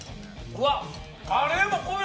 うわっ！